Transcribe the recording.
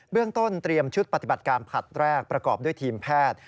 เรื่องต้นเตรียมชุดปฏิบัติการผลัดแรกประกอบด้วยทีมแพทย์